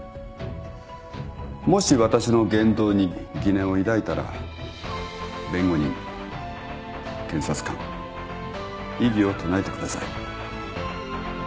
もし私の言動に疑念を抱いたら弁護人検察官異議を唱えてください。